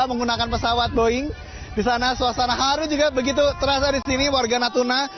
menggunakan pesawat boeing di sana suasana haru juga begitu terasa di sini warga natuna